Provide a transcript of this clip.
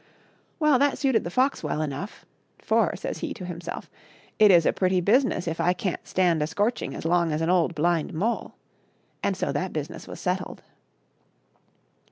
Well, that suited the fox well enough, " for," says he to himself, " it is a pretty business if I can't stand a scorching as long as an old blind mole ;*' and so that business was settled.